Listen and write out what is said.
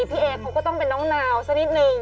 พี่เอเขาก็ต้องเป็นน้องนาวสักนิดนึง